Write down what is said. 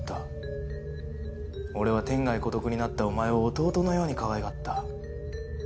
俺は天涯孤独になったお前を弟のようにかわいがった。